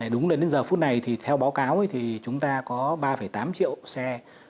đúng đến giờ phút này thì theo báo cáo thì chúng ta có ba tám triệu xe